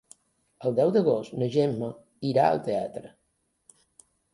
El deu d'agost na Gemma irà al teatre.